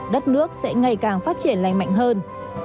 đất nước sẽ ngày càng phát triển lành mạnh hơn